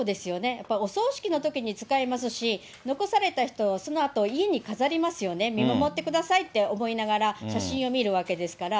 やっぱりお葬式のときに使いますし、残された人はそのあと家に飾りますよね、見守ってくださいって思いながら写真を見るわけですから。